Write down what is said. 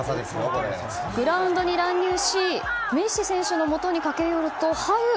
グラウンドに乱入しメッシ選手のもとに駆け寄ると、ハグ！